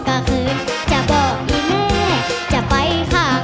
กะขืนจะบอกอีแม่จะไปข้าง